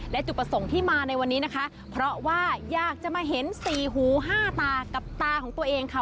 และจุดประสงค์ที่มาในวันนี้นะคะเพราะว่าอยากจะมาเห็นสี่หูห้าตากับตาของตัวเองค่ะ